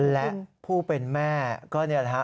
และผู้เป็นแม่ก็นี่แหละฮะ